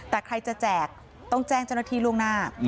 แต่ใครจะแจกต้องแจ้งเจ้าหน้าที่ล่วงหน้า